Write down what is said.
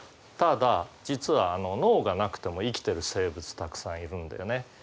ただ実は脳がなくても生きてる生物たくさんいるんだよね。